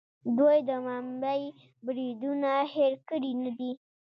دوی د ممبۍ بریدونه هیر کړي نه دي.